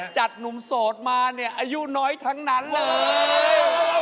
จัดหนุ่มโสดมาอายุน้อยทั้งนั้นเลย